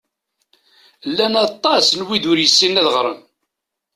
Llan aṭas n wid ur yessinen ad ɣren.